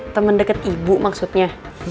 teman dekat ibu maksudnya